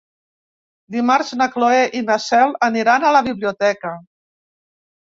Dimarts na Cloè i na Cel aniran a la biblioteca.